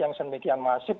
yang semikian masif